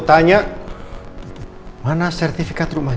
itu harusnya sebel pokoknya brains karena gue lemayan pakai emas kan